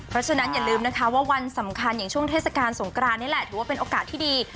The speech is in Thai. เพราะฉะนั้นอย่าลืมนะคะว่าวันสำคัญอย่างช่วงเทศกาลสงกรานนี่แหละถือว่าเป็นโอกาสที่ดี